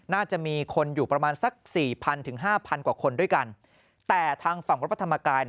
น่าจะมีคนอยู่ประมาณสักสี่พันถึงห้าพันกว่าคนด้วยกันแต่ทางฝั่งวัดพระธรรมกาย